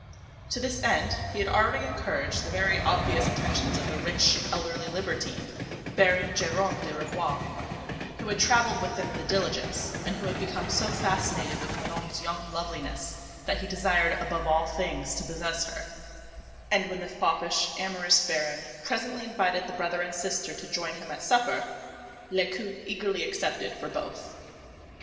To this end he had already encouraged the very obvious attentions of the rich, elderly libertine, Baron Geronte de Ravoir, who had travelled with them in the diligence, and who had become so fascinated with Manon's young loveliness that he desired above all things to possess her; and when the foppish, amorous Baron presently invited the brother and sister to join him at supper, Lescaut eagerly accepted for both.